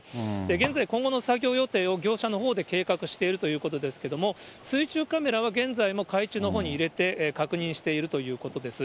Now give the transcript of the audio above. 現在今後の作業予定を業者のほうで計画しているということですけれども、水中カメラは現在も海中のほうに入れて、確認しているということです。